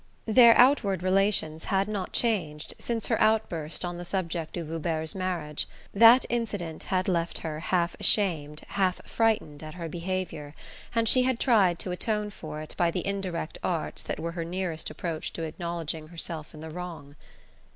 Their outward relations had not changed since her outburst on the subject of Hubert's marriage. That incident had left her half ashamed, half frightened at her behaviour, and she had tried to atone for it by the indirect arts that were her nearest approach to acknowledging herself in the wrong.